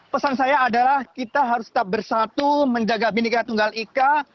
pesan saya adalah kita harus tetap bersatu menjaga bhindika tunggal ika